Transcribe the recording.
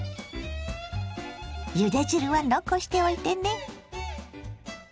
ゆで汁は残しておいてね。